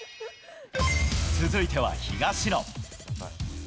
続いては東野。